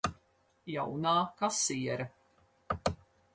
Jaunā kasiere.